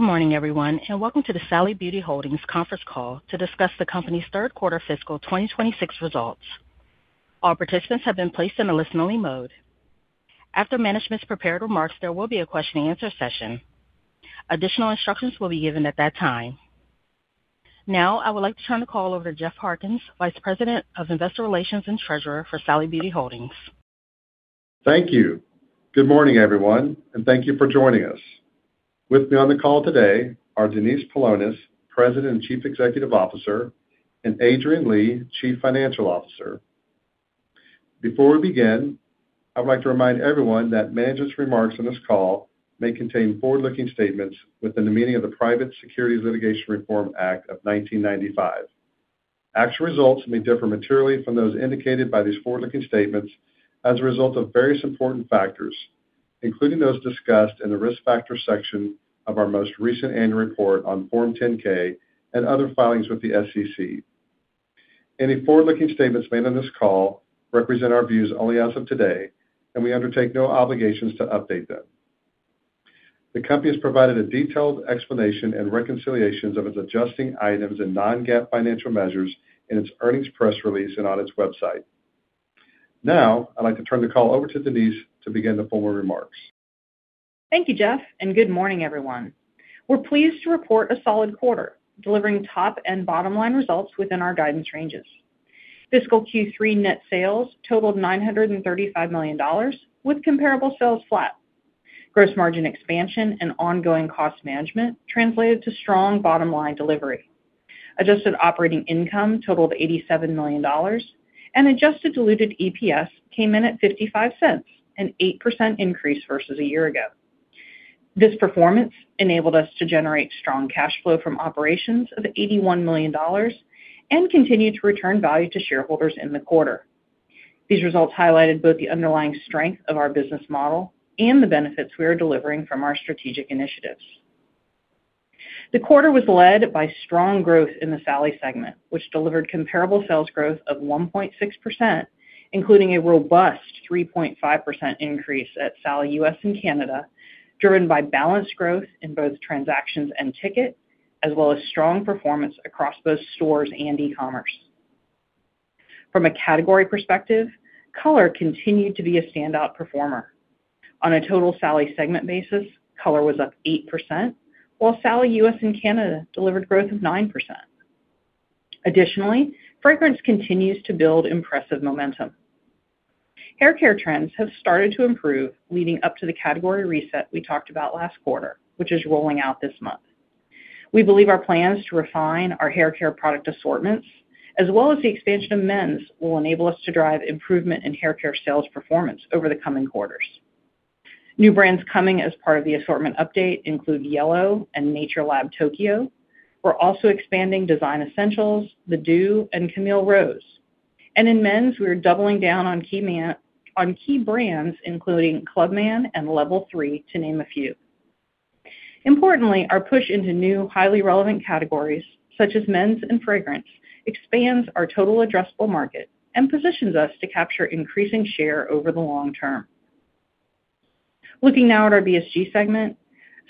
Good morning, everyone, welcome to the Sally Beauty Holdings conference call to discuss the company's third quarter fiscal 2026 results. All participants have been placed in a listen-only mode. After management's prepared remarks, there will be a question-and-answer session. Additional instructions will be given at that time. Now, I would like to turn the call over to Jeff Harkins, Vice President of Investor Relations and Treasurer for Sally Beauty Holdings. Thank you. Good morning, everyone, thank you for joining us. With me on the call today are Denise Paulonis, President and Chief Executive Officer, Adrianne Lee, Chief Financial Officer. Before we begin, I would like to remind everyone that management's remarks on this call may contain forward-looking statements within the meaning of the Private Securities Litigation Reform Act of 1995. Actual results may differ materially from those indicated by these forward-looking statements as a result of various important factors, including those discussed in the Risk Factors section of our most recent annual report on Form 10-K and other filings with the SEC. Any forward-looking statements made on this call represent our views only as of today, and we undertake no obligations to update them. The company has provided a detailed explanation and reconciliations of its adjusting items and non-GAAP financial measures in its earnings press release and on its website. Now, I'd like to turn the call over to Denise to begin the formal remarks. Thank you, Jeff, good morning, everyone. We're pleased to report a solid quarter, delivering top and bottom line results within our guidance ranges. Fiscal Q3 net sales totaled $935 million with comparable sales flat. Gross margin expansion and ongoing cost management translated to strong bottom-line delivery. Adjusted operating income totaled $87 million, adjusted diluted EPS came in at $0.55, an 8% increase versus a year ago. This performance enabled us to generate strong cash flow from operations of $81 million, and continued to return value to shareholders in the quarter. These results highlighted both the underlying strength of our business model and the benefits we are delivering from our strategic initiatives. The quarter was led by strong growth in the Sally segment, which delivered comparable sales growth of 1.6%, including a robust 3.5% increase at Sally U.S. and Canada, driven by balanced growth in both transactions and ticket, as well as strong performance across both stores and e-commerce. From a category perspective, color continued to be a standout performer. On a total Sally segment basis, color was up 8%, while Sally U.S. and Canada delivered growth of 9%. Additionally, fragrance continues to build impressive momentum. Hair care trends have started to improve leading up to the category reset we talked about last quarter, which is rolling out this month. We believe our plans to refine our hair care product assortments, as well as the expansion of men's, will enable us to drive improvement in hair care sales performance over the coming quarters. New brands coming as part of the assortment update include Yellow and NatureLab. TOKYO. We're also expanding Design Essentials, The Doux, and Camille Rose. In men's, we are doubling down on key brands, including Clubman and L3VEL3, to name a few. Importantly, our push into new, highly relevant categories, such as men's and fragrance, expands our total addressable market and positions us to capture increasing share over the long term. Looking now at our BSG segment,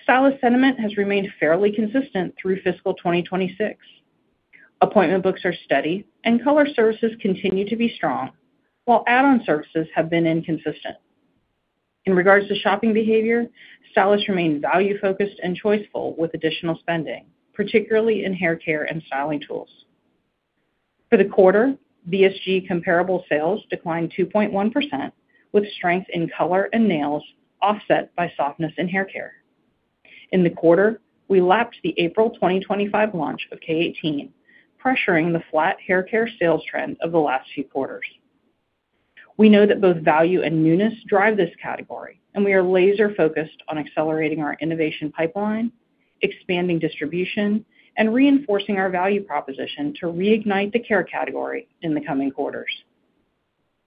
stylist sentiment has remained fairly consistent through fiscal 2026. Appointment books are steady, and color services continue to be strong, while add-on services have been inconsistent. In regards to shopping behavior, stylists remain value-focused and choiceful with additional spending, particularly in hair care and styling tools. For the quarter, BSG comparable sales declined 2.1%, with strength in color and nails offset by softness in hair care. In the quarter, we lapped the April 2025 launch of K18, pressuring the flat hair care sales trend of the last few quarters. We know that both value and newness drive this category, and we are laser focused on accelerating our innovation pipeline, expanding distribution, and reinforcing our value proposition to reignite the care category in the coming quarters.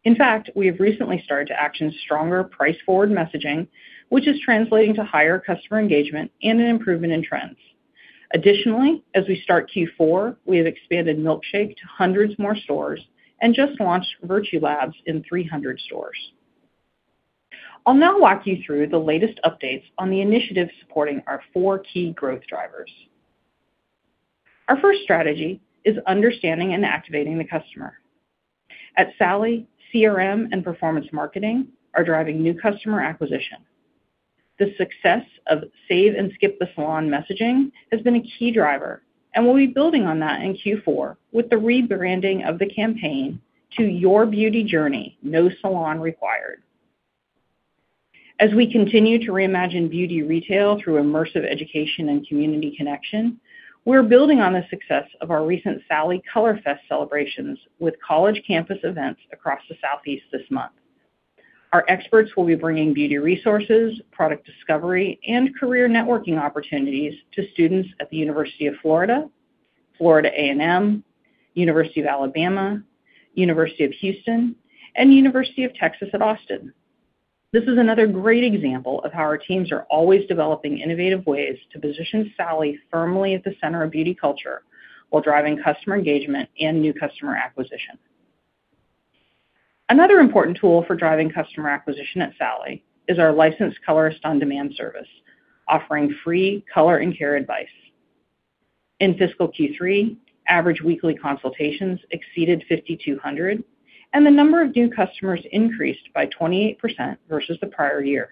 In fact, we have recently started to action stronger price forward messaging, which is translating to higher customer engagement and an improvement in trends. Additionally, as we start Q4, we have expanded milk_shake to hundreds more stores and just launched Virtue Labs in 300 stores. I'll now walk you through the latest updates on the initiatives supporting our four key growth drivers. Our first strategy is understanding and activating the customer. At Sally, CRM and performance marketing are driving new customer acquisition. The success of Save and Skip the Salon messaging has been a key driver, and we'll be building on that in Q4 with the rebranding of the campaign to Your Beauty Journey, No Salon Required. As we continue to reimagine beauty retail through immersive education and community connection, we're building on the success of our recent Sally COLORfest celebrations with college campus events across the Southeast this month. Our experts will be bringing beauty resources, product discovery, and career networking opportunities to students at the University of Florida, Florida A&M, University of Alabama, University of Houston, and University of Texas at Austin. This is another great example of how our teams are always developing innovative ways to position Sally firmly at the center of beauty culture while driving customer engagement and new customer acquisition. Another important tool for driving customer acquisition at Sally is our licensed colorist on-demand service, offering free color and care advice. In fiscal Q3, average weekly consultations exceeded 5,200, and the number of new customers increased by 28% versus the prior year.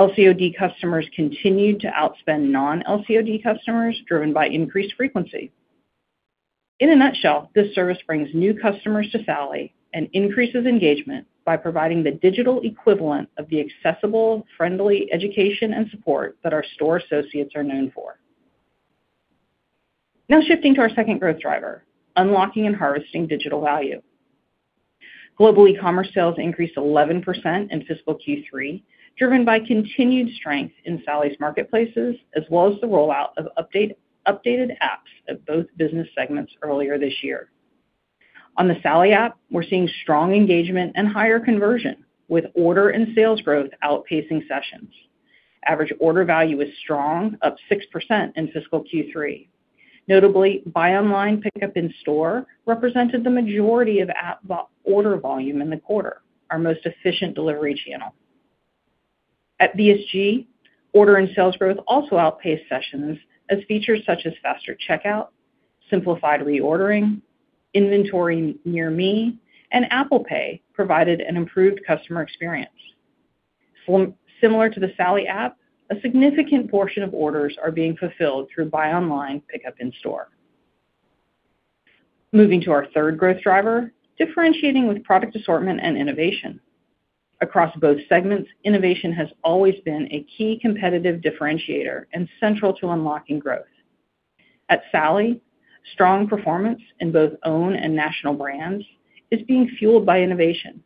LCOD customers continued to outspend non-LCOD customers, driven by increased frequency. In a nutshell, this service brings new customers to Sally and increases engagement by providing the digital equivalent of the accessible, friendly education and support that our store associates are known for. Now, shifting to our second growth driver, unlocking and harvesting digital value. Global e-commerce sales increased 11% in fiscal Q3, driven by continued strength in Sally's marketplaces, as well as the rollout of updated apps of both business segments earlier this year. On the Sally app, we're seeing strong engagement and higher conversion, with order and sales growth outpacing sessions. Average order value is strong, up 6% in fiscal Q3. Notably, buy online, pick up in store represented the majority of app order volume in the quarter, our most efficient delivery channel. At BSG, order and sales growth also outpaced sessions as features such as faster checkout, simplified reordering, inventory near me, and Apple Pay provided an improved customer experience. Similar to the Sally app, a significant portion of orders are being fulfilled through buy online, pick up in store. Moving to our third growth driver, differentiating with product assortment and innovation. Across both segments, innovation has always been a key competitive differentiator and central to unlocking growth. At Sally, strong performance in both own and national brands is being fueled by innovation.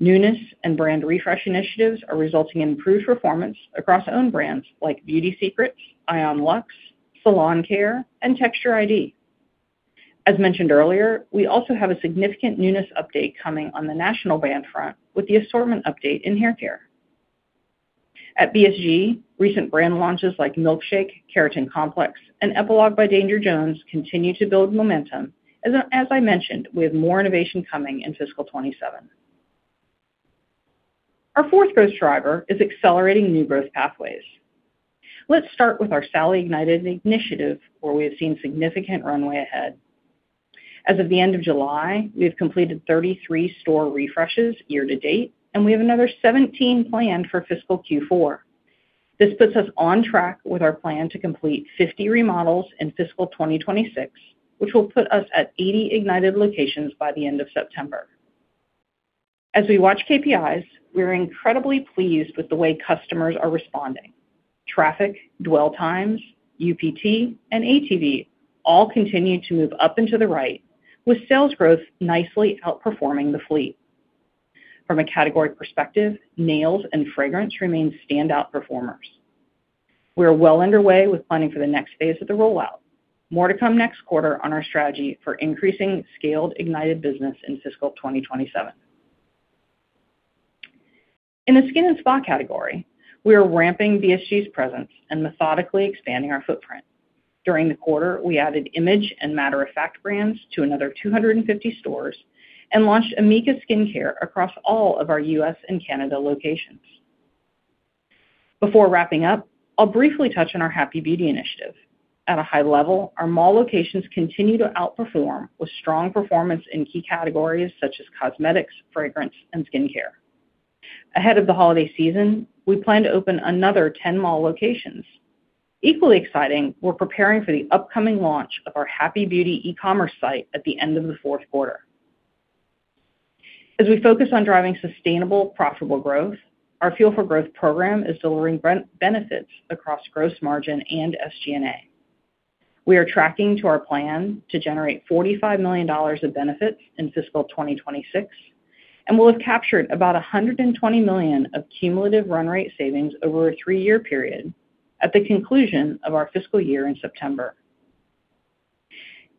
Newness and brand refresh initiatives are resulting in improved performance across owned brands like Beauty Secrets, ion Luxe, Salon Care, and Texture ID. As mentioned earlier, we also have a significant newness update coming on the national brand front with the assortment update in hair care. At BSG, recent brand launches like milk_shake, Keratin Complex, and Epilogue by Danger Jones continue to build momentum. As I mentioned, we have more innovation coming in fiscal 2027. Our fourth growth driver is accelerating new growth pathways. Let's start with our Sally Ignited initiative, where we have seen significant runway ahead. As of the end of July, we have completed 33 store refreshes year to date, and we have another 17 planned for fiscal Q4. This puts us on track with our plan to complete 50 remodels in fiscal 2026, which will put us at 80 Ignited locations by the end of September. As we watch KPIs, we are incredibly pleased with the way customers are responding. Traffic, dwell times, UPT, and ATV all continue to move up and to the right, with sales growth nicely outperforming the fleet. From a category perspective, nails and fragrance remain standout performers. We are well underway with planning for the next phase of the rollout. More to come next quarter on our strategy for increasing scaled Ignited business in fiscal 2027. In the skin and spa category, we are ramping BSG's presence and methodically expanding our footprint. During the quarter, we added IMAGE and Matter of Fact brands to another 250 stores and launched Amika skincare across all of our U.S. and Canada locations. Before wrapping up, I'll briefly touch on our Happy Beauty initiative. At a high level, our mall locations continue to outperform with strong performance in key categories such as cosmetics, fragrance, and skincare. Ahead of the holiday season, we plan to open another 10 mall locations. Equally exciting, we're preparing for the upcoming launch of our Happy Beauty e-commerce site at the end of the fourth quarter. As we focus on driving sustainable, profitable growth, our Fuel for Growth program is delivering benefits across gross margin and SG&A. We are tracking to our plan to generate $45 million of benefits in fiscal 2026, and we'll have captured about $120 million of cumulative run rate savings over a three-year period at the conclusion of our fiscal year in September.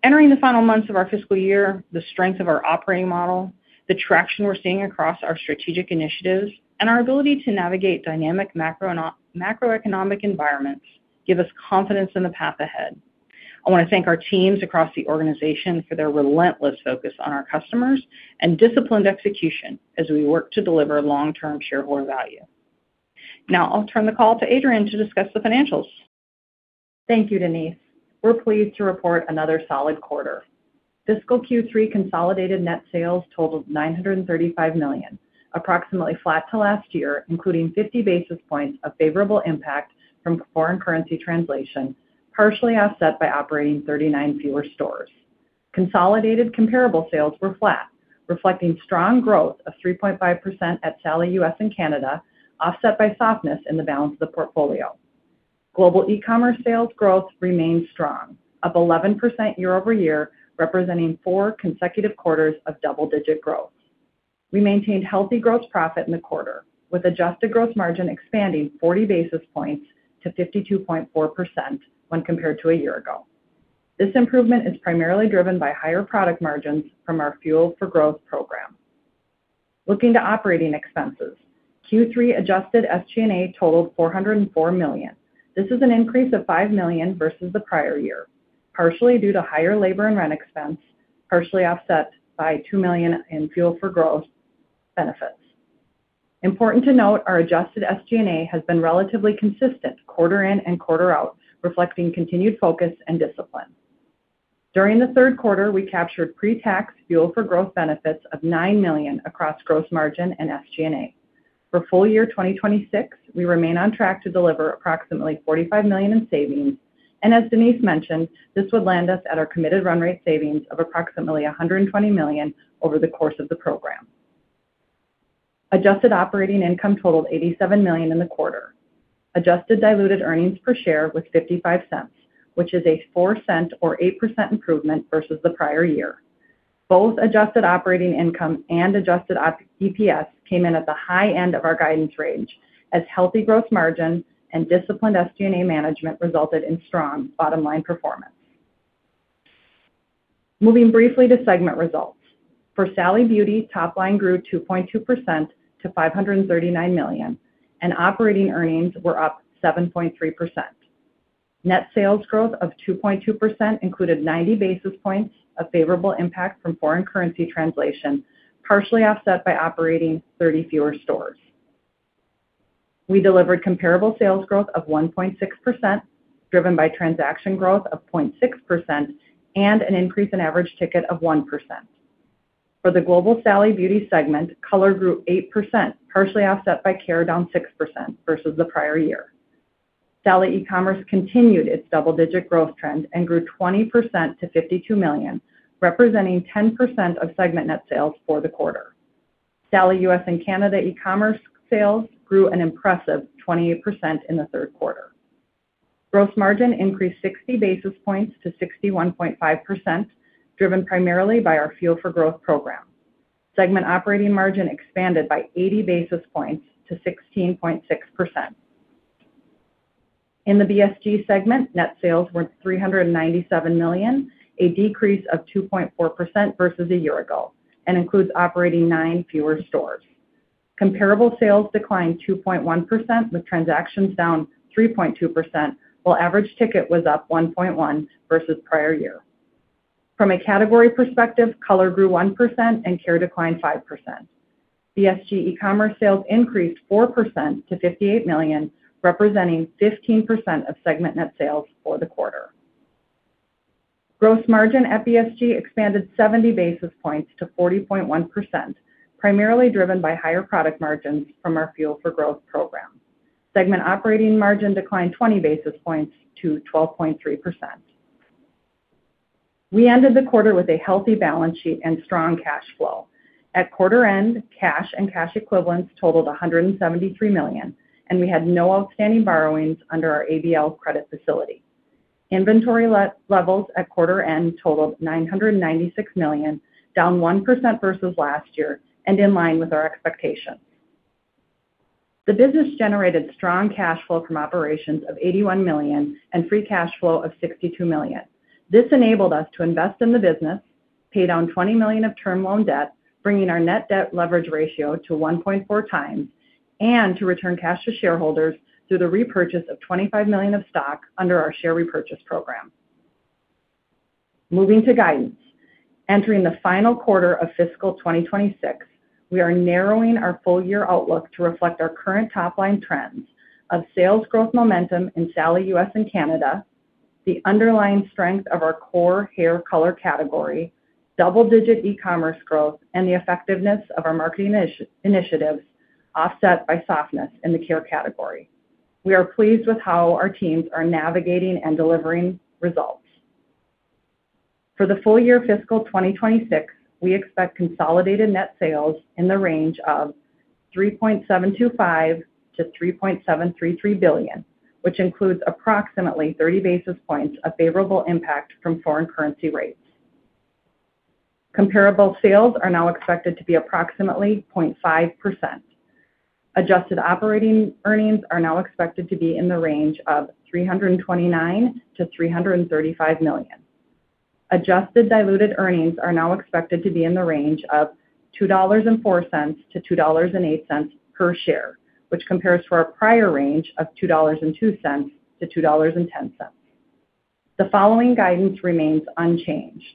Entering the final months of our fiscal year, the strength of our operating model, the traction we're seeing across our strategic initiatives, and our ability to navigate dynamic macroeconomic environments give us confidence in the path ahead. I want to thank our teams across the organization for their relentless focus on our customers and disciplined execution as we work to deliver long-term shareholder value. Now I'll turn the call to Adrianne to discuss the financials. Thank you, Denise. We're pleased to report another solid quarter. Fiscal Q3 consolidated net sales totaled $935 million, approximately flat to last year, including 50 basis points of favorable impact from foreign currency translation, partially offset by operating 39 fewer stores. Consolidated comparable sales were flat, reflecting strong growth of 3.5% at Sally U.S. and Canada, offset by softness in the balance of the portfolio. Global e-commerce sales growth remained strong, up 11% year-over-year, representing four consecutive quarters of double-digit growth. We maintained healthy gross profit in the quarter with adjusted gross margin expanding 40 basis points to 52.4% when compared to a year ago. This improvement is primarily driven by higher product margins from our Fuel for Growth program. Looking to operating expenses. Q3 adjusted SG&A totaled $404 million. This is an increase of $5 million versus the prior year, partially due to higher labor and rent expense, partially offset by $2 million in Fuel for Growth benefits. Important to note, our adjusted SG&A has been relatively consistent quarter in and quarter out, reflecting continued focus and discipline. During the third quarter, we captured pre-tax Fuel for Growth benefits of $9 million across gross margin and SG&A. For full year 2026, we remain on track to deliver approximately $45 million in savings, and as Denise mentioned, this would land us at our committed run rate savings of approximately $120 million over the course of the program. Adjusted operating income totaled $87 million in the quarter. Adjusted diluted earnings per share was $0.55, which is a $0.04 or 8% improvement versus the prior year. Both adjusted operating income and adjusted EPS came in at the high end of our guidance range, as healthy growth margin and disciplined SG&A management resulted in strong bottom-line performance. Moving briefly to segment results. For Sally Beauty, top line grew 2.2% to $539 million, and operating earnings were up 7.3%. Net sales growth of 2.2% included 90 basis points of favorable impact from foreign currency translation, partially offset by operating 30 fewer stores. We delivered comparable sales growth of 1.6%, driven by transaction growth of 0.6% and an increase in average ticket of 1%. For the global Sally Beauty segment, color grew 8%, partially offset by care down 6% versus the prior year. Sally eCommerce continued its double-digit growth trend and grew 20% to $52 million, representing 10% of segment net sales for the quarter. Sally U.S. and Canada eCommerce sales grew an impressive 28% in the third quarter. Gross margin increased 60 basis points to 61.5%, driven primarily by our Fuel for Growth program. Segment operating margin expanded by 80 basis points to 16.6%. In the BSG segment, net sales were $397 million, a decrease of 2.4% versus a year ago and includes operating nine fewer stores. Comparable sales declined 2.1%, with transactions down 3.2%, while average ticket was up 1.1% versus prior year. From a category perspective, color grew 1% and care declined 5%. BSG eCommerce sales increased 4% to $58 million, representing 15% of segment net sales for the quarter. Gross margin at BSG expanded 70 basis points to 40.1%, primarily driven by higher product margins from our Fuel for Growth program. Segment operating margin declined 20 basis points to 12.3%. We ended the quarter with a healthy balance sheet and strong cash flow. At quarter end, cash and cash equivalents totaled $173 million, and we had no outstanding borrowings under our ABL credit facility. Inventory levels at quarter end totaled $996 million, down 1% versus last year and in line with our expectations. The business generated strong cash flow from operations of $81 million and free cash flow of $62 million. This enabled us to invest in the business, pay down $20 million of term loan debt, bringing our net debt leverage ratio to 1.4x, and to return cash to shareholders through the repurchase of $25 million of stock under our share repurchase program. Moving to guidance. Entering the final quarter of fiscal 2026, we are narrowing our full year outlook to reflect our current top-line trends of sales growth momentum in Sally U.S. and Canada, the underlying strength of our core hair color category, double-digit eCommerce growth, and the effectiveness of our marketing initiatives, offset by softness in the care category. We are pleased with how our teams are navigating and delivering results. For the full year fiscal 2026, we expect consolidated net sales in the range of $3.725 billion-$3.733 billion, which includes approximately 30 basis points of favorable impact from foreign currency rates. Comparable sales are now expected to be approximately 0.5%. Adjusted operating earnings are now expected to be in the range of $329 million-$335 million. Adjusted diluted earnings are now expected to be in the range of $2.04-$2.08 per share, which compares to our prior range of $2.02-$2.10. The following guidance remains unchanged.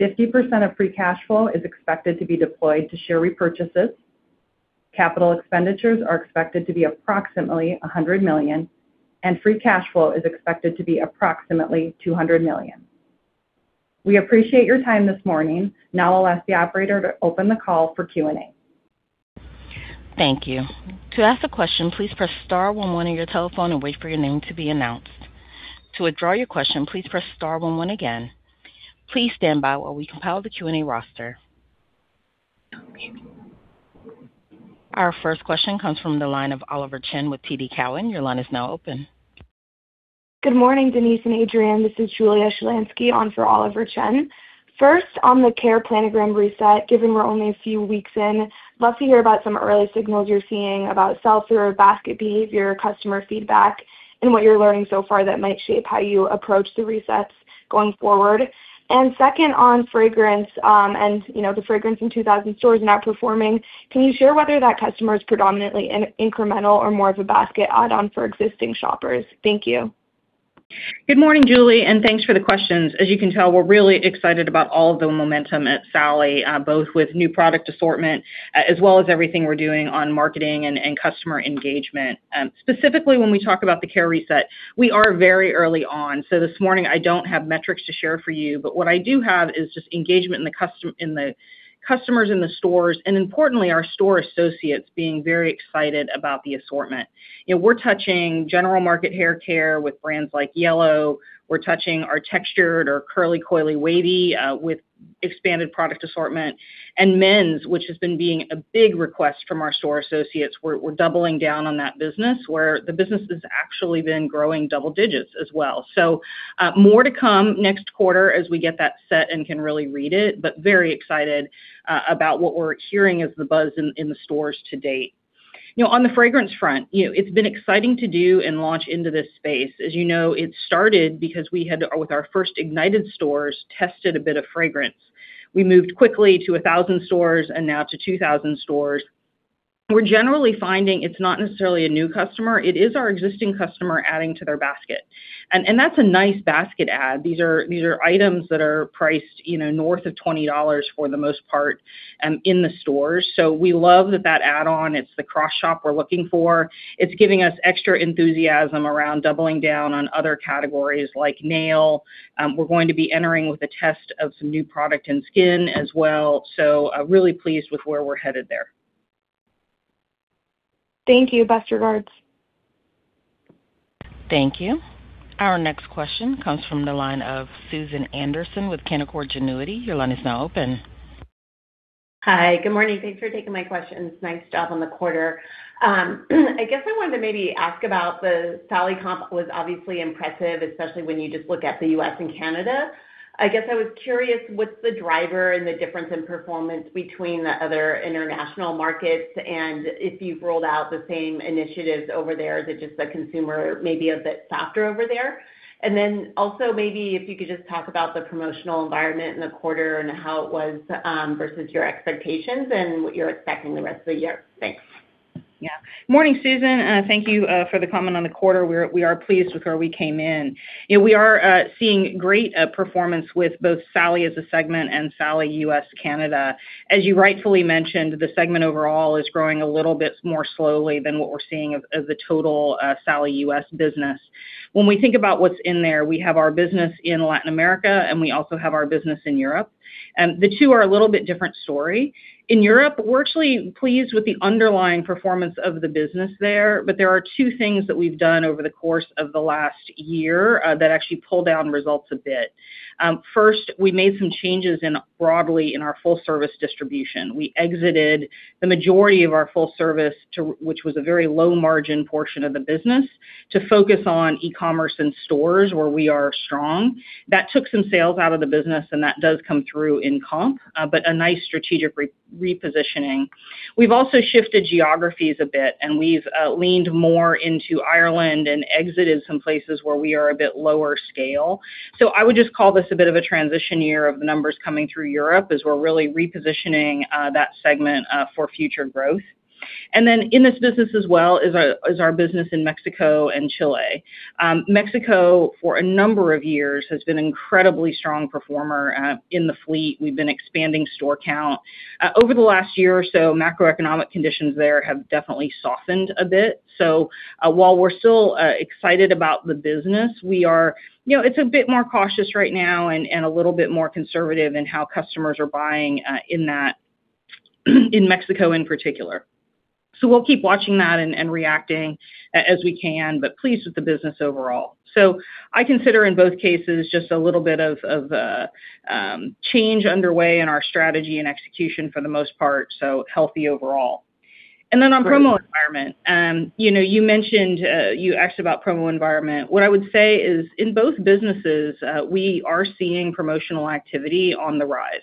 50% of free cash flow is expected to be deployed to share repurchases. Capital expenditures are expected to be approximately $100 million, and free cash flow is expected to be approximately $200 million. We appreciate your time this morning. Now I'll ask the operator to open the call for Q&A. Thank you. To ask a question, please press star one one on your telephone and wait for your name to be announced. To withdraw your question, please press star one one again. Please stand by while we compile the Q&A roster. Our first question comes from the line of Oliver Chen with TD Cowen. Your line is now open. Good morning, Denise and Adrianne. This is Julia Shlansky on for Oliver Chen. First, on the care planogram reset, given we're only a few weeks in, love to hear about some early signals you're seeing about sell-through or basket behavior, customer feedback, and what you're learning so far that might shape how you approach the resets going forward. Second, on fragrance, and the fragrance in 2,000 stores not performing, can you share whether that customer is predominantly incremental or more of a basket add-on for existing shoppers? Thank you. Good morning, Julie, and thanks for the questions. As you can tell, we're really excited about all of the momentum at Sally, both with new product assortment as well as everything we're doing on marketing and customer engagement. Specifically when we talk about the care reset, we are very early on. This morning, I don't have metrics to share for you, but what I do have is just engagement in the customers in the stores, and importantly, our store associates being very excited about the assortment. We're touching general market haircare with brands like Yellow. We're touching our textured or curly, coily, wavy, with expanded product assortment. Men's, which has been being a big request from our store associates. We're doubling down on that business, where the business has actually been growing double digits as well. More to come next quarter as we get that set and can really read it, very excited about what we're hearing as the buzz in the stores to date. On the fragrance front, it's been exciting to do and launch into this space. As you know, it started because we had, with our first Ignited stores, tested a bit of fragrance. We moved quickly to 1,000 stores and now to 2,000 stores. We're generally finding it's not necessarily a new customer. It is our existing customer adding to their basket. That's a nice basket add. These are items that are priced north of $20 for the most part in the stores. We love that add-on. It's the cross-shop we're looking for. It's giving us extra enthusiasm around doubling down on other categories like nail. We're going to be entering with a test of some new product in skin as well. Really pleased with where we're headed there. Thank you. Best regards. Thank you. Our next question comes from the line of Susan Anderson with Canaccord Genuity. Your line is now open. Hi. Good morning. Thanks for taking my questions. Nice job on the quarter. I guess I wanted to maybe ask about the Sally comp was obviously impressive, especially when you just look at the U.S. and Canada. I guess I was curious what's the driver and the difference in performance between the other international markets, and if you've rolled out the same initiatives over there. Is it just the consumer may be a bit softer over there? Also maybe if you could just talk about the promotional environment in the quarter and how it was versus your expectations, and what you're expecting the rest of the year. Thanks. Morning, Susan. Thank you for the comment on the quarter. We are pleased with where we came in. We are seeing great performance with both Sally as a segment and Sally U.S., Canada. As you rightfully mentioned, the segment overall is growing a little bit more slowly than what we're seeing of the total Sally U.S. business. When we think about what's in there, we have our business in Latin America, and we also have our business in Europe. The two are a little bit different story. In Europe, we're actually pleased with the underlying performance of the business but there are two things that we've done over the course of the last year that actually pull down results a bit. First, we made some changes broadly in our full service distribution. We exited the majority of our full service, which was a very low-margin portion of the business, to focus on e-commerce and stores where we are strong. That took some sales out of the business, and that does come through in comp. A nice strategic repositioning. We've also shifted geographies a bit, we've leaned more into Ireland and exited some places where we are a bit lower scale. I would just call this a bit of a transition year of the numbers coming through Europe as we're really repositioning that segment for future growth. In this business as well is our business in Mexico and Chile. Mexico, for a number of years, has been incredibly strong performer in the fleet. We've been expanding store count. Over the last year or so, macroeconomic conditions there have definitely softened a bit. While we're still excited about the business, it's a bit more cautious right now and a little bit more conservative in how customers are buying in Mexico in particular. We'll keep watching that and reacting as we can, but pleased with the business overall. I consider in both cases, just a little bit of a change underway in our strategy and execution for the most part, so healthy overall. On promo environment. You mentioned, you asked about promo environment. What I would say is, in both businesses, we are seeing promotional activity on the rise.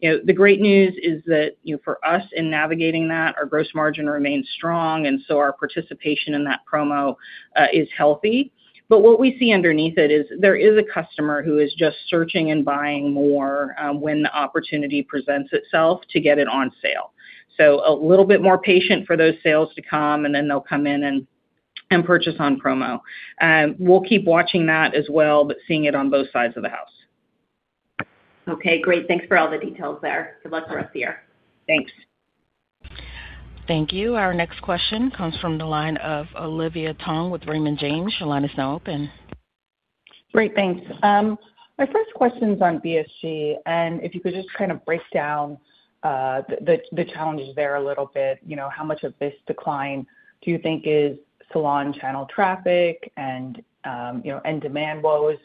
The great news is that for us in navigating that, our gross margin remains strong, and so our participation in that promo is healthy. What we see underneath it is there is a customer who is just searching and buying more when the opportunity presents itself to get it on sale. A little bit more patient for those sales to come, and then they'll come in and purchase on promo. We'll keep watching that as well, but seeing it on both sides of the house. Okay, great. Thanks for all the details there. Good luck the rest of the year. Thanks. Thank you. Our next question comes from the line of Olivia Tong with Raymond James. Your line is now open. Great, thanks. My first question's on BSG, and if you could just kind of break down the challenges there a little bit. How much of this decline do you think is salon channel traffic and demand woes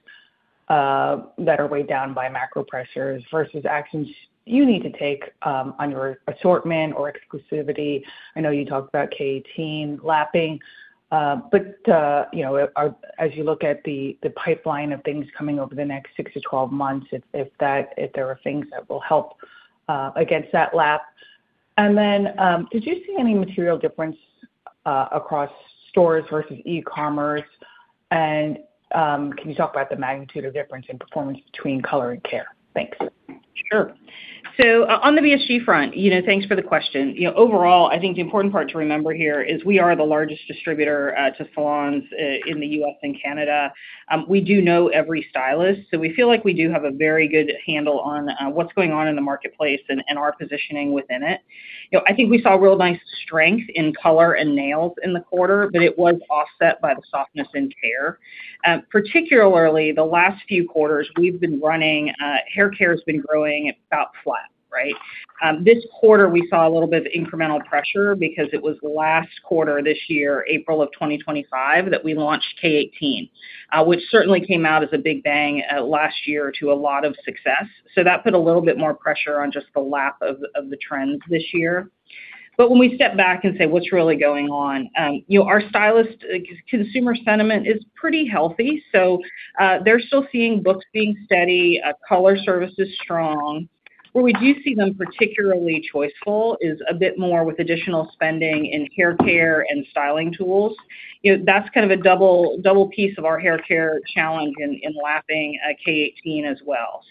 that are weighed down by macro pressures versus actions you need to take on your assortment or exclusivity. I know you talked about K18 lapping, but as you look at the pipeline of things coming over the next 6-12 months, if there are things that will help against that lap. Did you see any material difference across stores versus e-commerce? Can you talk about the magnitude of difference in performance between color and care? Thanks. Sure. On the BSG front, thanks for the question. Overall, I think the important part to remember here is we are the largest distributor to salons in the U.S. and Canada. We do know every stylist, so we feel like we do have a very good handle on what's going on in the marketplace and our positioning within it. I think we saw real nice strength in color and nails in the quarter, but it was offset by the softness in care. Particularly the last few quarters, hair care has been growing about flat, right? This quarter, we saw a little bit of incremental pressure because it was last quarter this year, April 2025, that we launched K18, which certainly came out as a big bang last year to a lot of success so that put a little bit more pressure on just the lap of the trends this year. When we step back and say, what's really going on, our stylist consumer sentiment is pretty healthy, so they're still seeing books being steady, color services strong. Where we do see them particularly choiceful is a bit more with additional spending in hair care and styling tools. That's kind of a double piece of our hair care challenge in lapping K18 as well.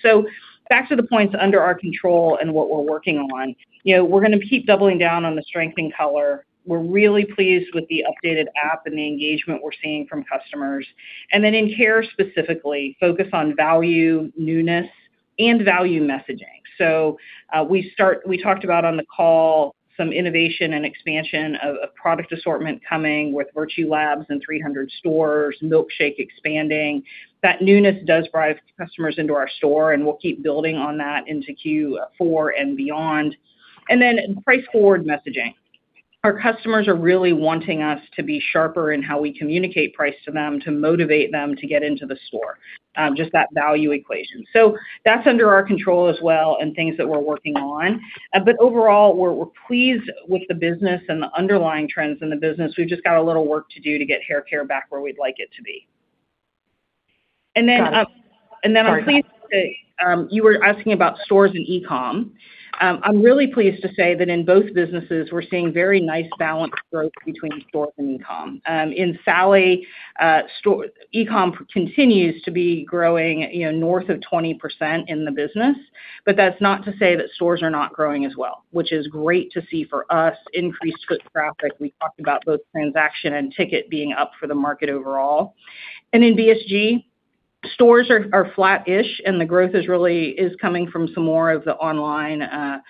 Back to the points under our control and what we're working on. We're going to keep doubling down on the strength in color. We're really pleased with the updated app and the engagement we're seeing from customers. In hair specifically, focus on value, newness, and value messaging. We talked about on the call some innovation and expansion of product assortment coming with Virtue Labs in 300 stores, milk_shake expanding. That newness does drive customers into our store, and we'll keep building on that into Q4 and beyond. Price forward messaging. Our customers are really wanting us to be sharper in how we communicate price to them to motivate them to get into the store, just that value equation. That's under our control as well and things that we're working on. Overall, we're pleased with the business and the underlying trends in the business. We've just got a little work to do to get hair care back where we'd like it to be. Got it. Sorry. Go ahead. I'm pleased to say, you were asking about stores and e-com. I'm really pleased to say that in both businesses, we're seeing very nice balanced growth between stores and e-com. In Sally, e-com continues to be growing north of 20% in the business, but that's not to say that stores are not growing as well, which is great to see for us. Increased foot traffic, we talked about both transaction and ticket being up for the market overall. In BSG, stores are flat-ish, and the growth is coming from some more of the online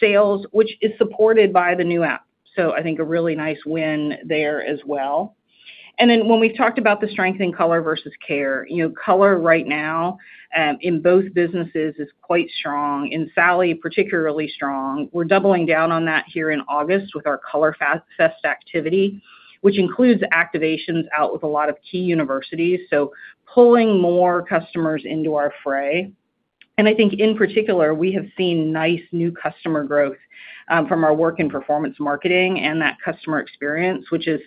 sales, which is supported by the new app. I think a really nice win there as well. When we've talked about the strength in color versus care, color right now in both businesses is quite strong. In Sally, particularly strong. We're doubling down on that here in August with our COLORfest activity, which includes activations out with a lot of key universities, so pulling more customers into our fray. I think in particular, we have seen nice new customer growth from our work in performance marketing and that customer experience, which is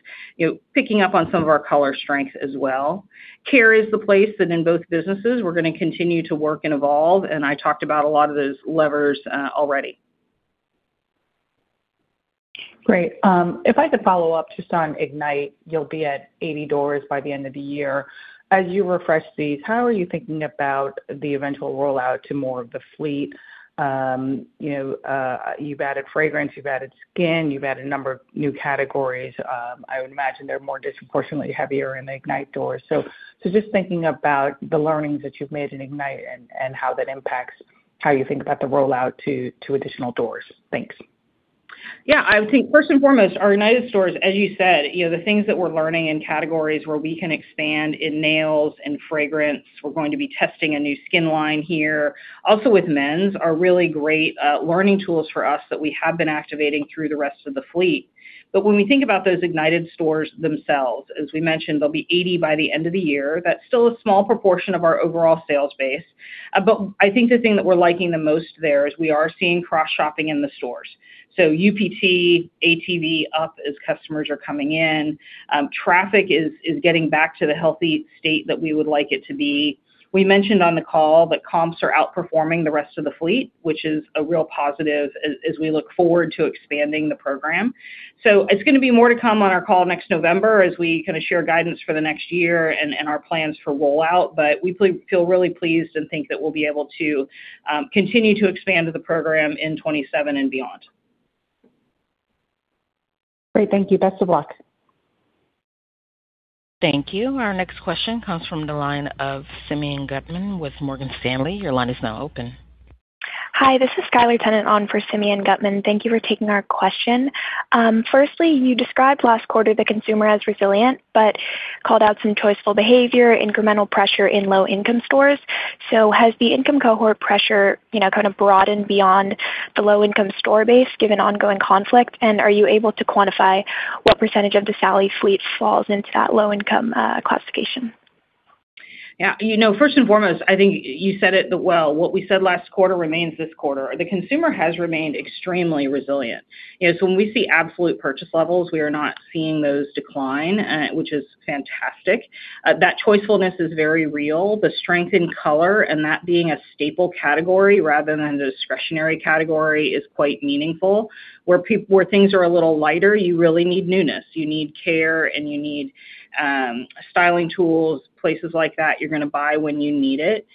picking up on some of our color strengths as well. Care is the place that in both businesses we're going to continue to work and evolve, and I talked about a lot of those levers already. Great. If I could follow up, just on Sally Ignited, you'll be at 80 doors by the end of the year. As you refresh these, how are you thinking about the eventual rollout to more of the fleet? You've added fragrance, you've added skin, you've added a number of new categories. I would imagine they're more disproportionately heavier in the Sally Ignited doors. Just thinking about the learnings that you've made in Sally Ignited and how that impacts how you think about the rollout to additional doors. Thanks. Yeah. I would think first and foremost, our Sally Ignited stores, as you said, the things that we're learning in categories where we can expand in nails and fragrance, we're going to be testing a new skin line here, also with men's, are really great learning tools for us that we have been activating through the rest of the fleet. When we think about those Sally Ignited stores themselves, as we mentioned, there'll be 80 by the end of the year. That's still a small proportion of our overall sales base. I think the thing that we're liking the most there is we are seeing cross-shopping in the stores. UPT, ATV up as customers are coming in. Traffic is getting back to the healthy state that we would like it to be. We mentioned on the call that comps are outperforming the rest of the fleet, which is a real positive as we look forward to expanding the program. It's going to be more to come on our call next November as we kind of share guidance for the next year and our plans for rollout. We feel really pleased and think that we'll be able to continue to expand the program in 2027 and beyond. Great. Thank you. Best of luck. Thank you. Our next question comes from the line of Simeon Gutman with Morgan Stanley. Your line is now open. Hi, this is Skylar Tennant on for Simeon Gutman. Thank you for taking our question. Firstly, you described last quarter the consumer as resilient, but called out some choiceful behavior, incremental pressure in low-income stores. Has the income cohort pressure kind of broadened beyond the low-income store base given ongoing conflict? Are you able to quantify what percentage of the Sally fleet falls into that low-income classification? Yeah. First and foremost, I think you said it well. What we said last quarter remains this quarter. The consumer has remained extremely resilient. When we see absolute purchase levels, we are not seeing those decline, which is fantastic. That choicefulness is very real. The strength in color, and that being a staple category rather than a discretionary category, is quite meaningful. Where things are a little lighter, you really need newness. You need care, and you need styling tools, places like that, you're going to buy when you need it.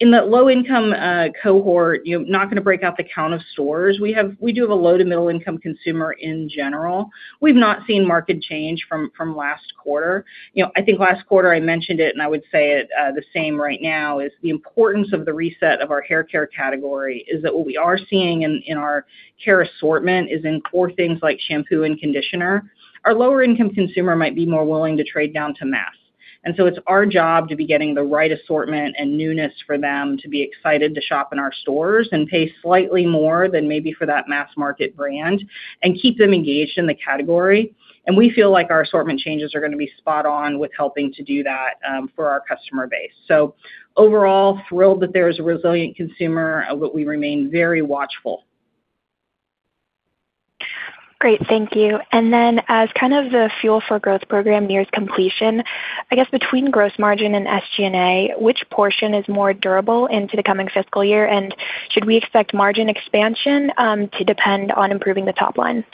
In the low-income cohort, not going to break out the count of stores. We do have a low to middle-income consumer in general. We've not seen market change from last quarter. I think last quarter I mentioned it, and I would say it the same right now, is the importance of the reset of our haircare category is that what we are seeing in our care assortment is in core things like shampoo and conditioner. Our lower income consumer might be more willing to trade down to mass. It's our job to be getting the right assortment and newness for them to be excited to shop in our stores and pay slightly more than maybe for that mass market brand and keep them engaged in the category. We feel like our assortment changes are going to be spot on with helping to do that for our customer base. Overall, thrilled that there is a resilient consumer, but we remain very watchful. Great. Thank you. As kind of the Fuel for Growth program nears completion, I guess between gross margin and SG&A, which portion is more durable into the coming fiscal year, and should we expect margin expansion to depend on improving the top line?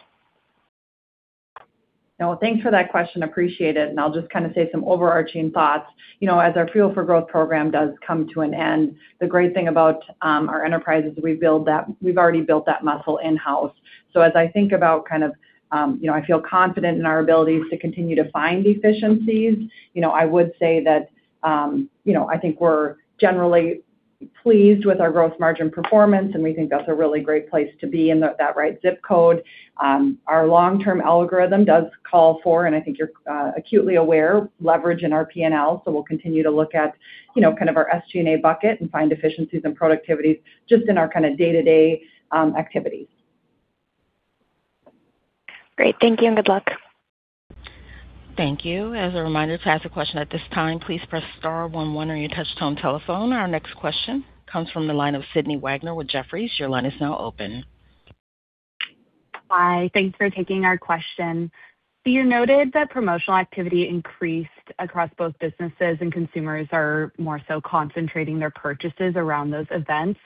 No, thanks for that question. Appreciate it. I'll just say some overarching thoughts. As our Fuel for Growth program does come to an end, the great thing about our enterprise is we've already built that muscle in-house. As I think about, I feel confident in our abilities to continue to find efficiencies. I would say that I think we're generally pleased with our growth margin performance, and we think that's a really great place to be in that right ZIP code. Our long-term algorithm does call for, and I think you're acutely aware, leverage in our P&L. We'll continue to look at our SG&A bucket and find efficiencies and productivities just in our day-to-day activities. Great. Thank you, and good luck. Thank you. As a reminder to ask a question at this time, please press star one one on your touchtone telephone. Our next question comes from the line of Sydney Wagner with Jefferies. Your line is now open. Hi. Thanks for taking our question. You noted that promotional activity increased across both businesses, and consumers are more so concentrating their purchases around those events.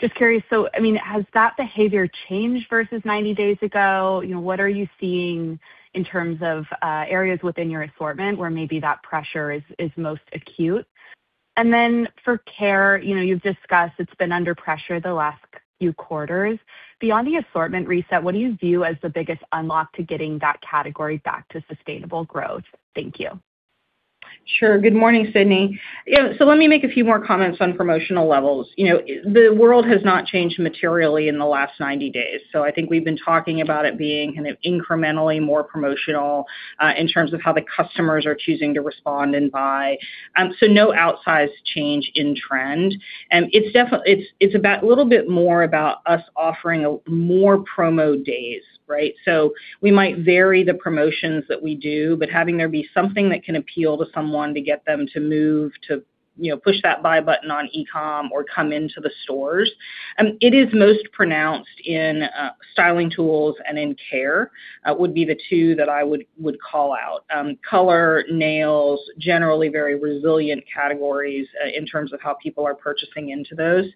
Just curious, has that behavior changed versus 90 days ago? What are you seeing in terms of areas within your assortment where maybe that pressure is most acute? For care, you've discussed it's been under pressure the last few quarters. Beyond the assortment reset, what do you view as the biggest unlock to getting that category back to sustainable growth? Thank you. Sure. Good morning, Sydney. Let me make a few more comments on promotional levels. The world has not changed materially in the last 90 days, so I think we've been talking about it being kind of incrementally more promotional, in terms of how the customers are choosing to respond and buy. No outsized change in trend. It's a little bit more about us offering more promo days, right? We might vary the promotions that we do, but having there be something that can appeal to someone to get them to move, to push that buy button on e-com or come into the stores. It is most pronounced in styling tools and in care, would be the two that I would call out. Color, nails, generally very resilient categories in terms of how people are purchasing into those.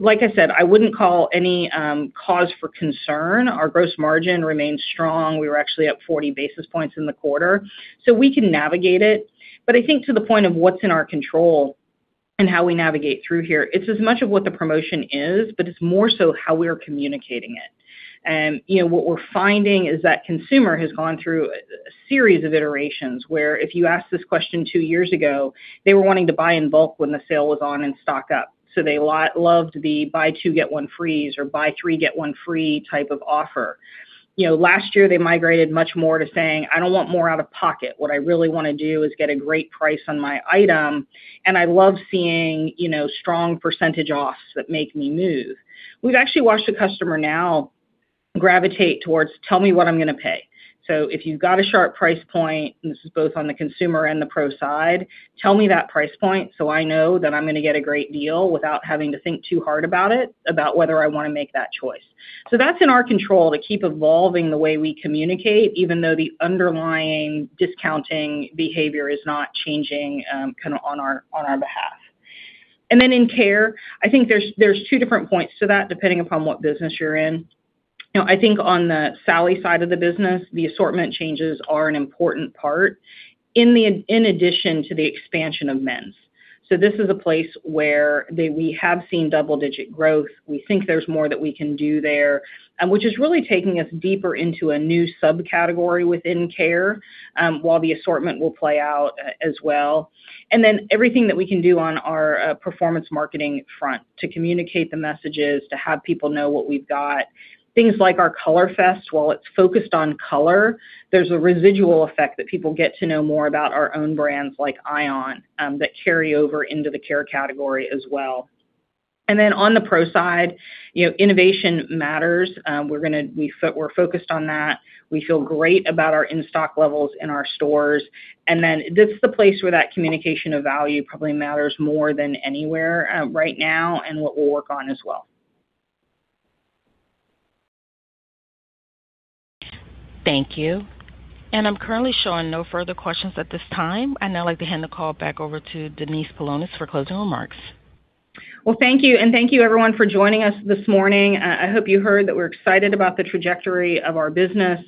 Like I said, I wouldn't call any cause for concern. Our gross margin remains strong. We were actually up 40 basis points in the quarter. We can navigate it. I think to the point of what's in our control and how we navigate through here, it's as much of what the promotion is, but it's more so how we are communicating it. What we're finding is that consumer has gone through a series of iterations where if you asked this question two years ago, they were wanting to buy in bulk when the sale was on and stock up. They loved the buy two, get one frees or buy three, get one free type of offer. Last year, they migrated much more to saying, "I don't want more out of pocket. What I really want to do is get a great price on my item, and I love seeing strong percentage offs that make me move." We've actually watched the customer now gravitate towards, "Tell me what I'm going to pay." If you've got a sharp price point, and this is both on the consumer and the pro side, tell me that price point so I know that I'm going to get a great deal without having to think too hard about it, about whether I want to make that choice. That's in our control to keep evolving the way we communicate, even though the underlying discounting behavior is not changing on our behalf. In care, I think there's two different points to that, depending upon what business you're in. I think on the Sally side of the business, the assortment changes are an important part in addition to the expansion of men's. This is a place where we have seen double-digit growth. We think there's more that we can do there, which is really taking us deeper into a new subcategory within care, while the assortment will play out as well. Everything that we can do on our performance marketing front to communicate the messages, to have people know what we've got. Things like our COLORfest, while it's focused on color, there's a residual effect that people get to know more about our own brands like Ion that carry over into the care category as well. On the pro side, innovation matters. We're focused on that. We feel great about our in-stock levels in our stores. This is the place where that communication of value probably matters more than anywhere right now and what we'll work on as well. Thank you. I'm currently showing no further questions at this time. I'd now like to hand the call back over to Denise Paulonis for closing remarks. Well, thank you, and thank you everyone for joining us this morning. I hope you heard that we're excited about the trajectory of our business.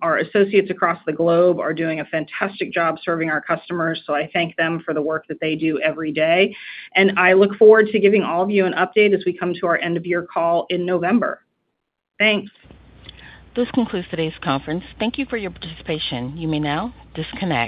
Our associates across the globe are doing a fantastic job serving our customers, so I thank them for the work that they do every day. I look forward to giving all of you an update as we come to our end of year call in November. Thanks. This concludes today's conference. Thank you for your participation. You may now disconnect.